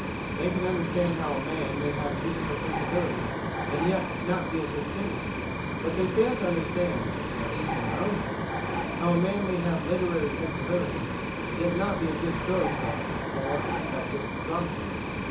They can understand how a man may have musical sensibility, and yet not be a good singer; but they fail to understand, at least in their own case, how a man may have literary sensibility, yet not be a good story teller or an effective dramatist."